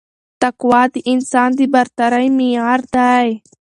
تقوا د انسان د برترۍ معیار دی